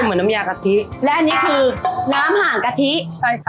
เหมือนน้ำยากะทิและอันนี้คือน้ำห่างกะทิใช่ค่ะ